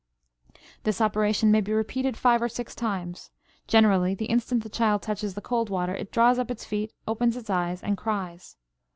This operation may be repeated five or six times; generally the instant the child touches the cold water it draws up its feet, opens its eyes, and cries.